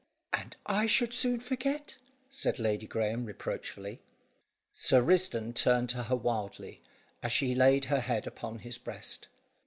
"And I should soon forget?" said Lady Graeme reproachfully. Sir Risdon turned to her wildly, as she laid her head upon his breast.